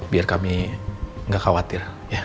biar kami nggak khawatir